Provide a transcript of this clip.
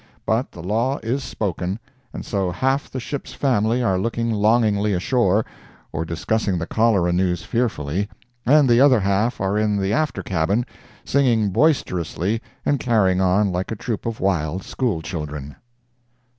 But the law is spoken, and so half the ship's family are looking longingly ashore, or discussing the cholera news fearfully, and the other half are in the after cabin, singing boisterously and carrying on like a troop of wild school children.